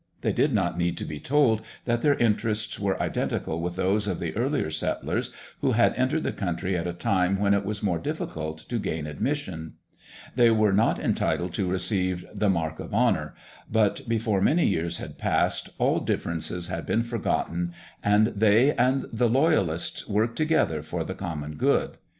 They did not need to be told that their interests were identical with those of the earlier settlers who had entered the country at a time when it was more difficult to gain admission. They were not entitled to receive the "Mark of Honour", but before many years had passed all differences had been forgotten and they and the Loyalists worked together for the common good.